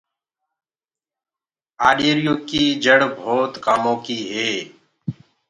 آڏيري يو ڪي پآڙه ڀوت ڪآمو ڪيٚ هي۔